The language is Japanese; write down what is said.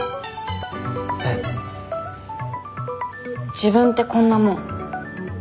自分ってこんなもん。